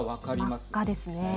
真っ赤ですね。